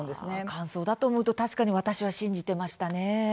感想だと思うと確かに私は信じていましたね。